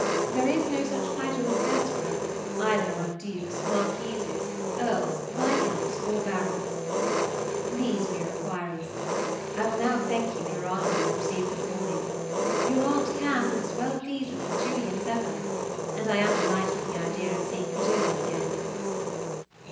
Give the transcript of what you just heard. There is no such title as Desborough, either among dukes, marquises, earls, viscounts, or barons. These were your inquiries. I will now thank you for your envelope received this morning. Your Aunt Cass is as well pleased with St. Julian as ever, and I am delighted with the idea of seeing Progillian again.